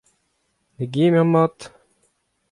Degemer mat !